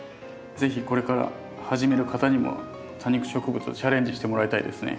是非これから始める方にも多肉植物をチャレンジしてもらいたいですね。